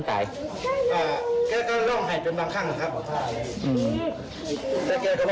ผมคิดว่าเด็กน้อนเห็นกันตกกงนับฉากทางบนพอเด๊ะ